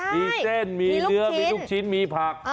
มีเส้นมีเนื้อมีลูกชิ้นมีผัก